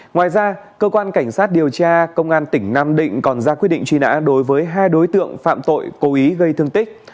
ngoài ra cơ quan cảnh sát điều tra công an tỉnh nam định còn ra quyết định truy nã đối với hai đối tượng phạm tội cố ý gây thương tích